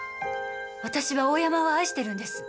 私は大山を愛してるんです。